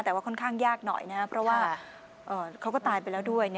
แต่ว่าค่อนข้างยากหน่อยนะครับเพราะว่าเขาก็ตายไปแล้วด้วย